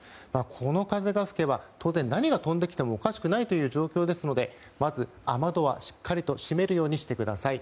この風が吹けば当然、何が飛んできてもおかしくないという状況ですのでまず、雨戸はしっかりと閉めるようにしてください。